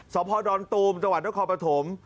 สอบพ่อดอนตูมตะวันด้วยคอปฐม